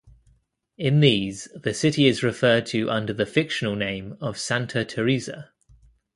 In these the city is referred to under the fictional name of Santa Teresa.